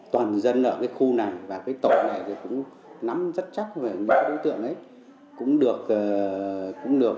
toàn dân ở cái khu này và cái tổ này cũng nắm rất chắc về những đối tượng ấy